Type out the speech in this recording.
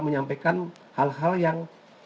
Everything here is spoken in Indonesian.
menyampaikan hal hal yang